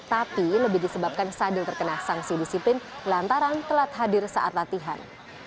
tapi lebih disebabkan sadil terkena sanksi disiplin lantaran telat hadir saat latihan